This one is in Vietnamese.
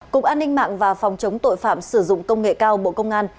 cục an ninh mạng và phòng chống tội phạm sử dụng công nghệ cao bộ công an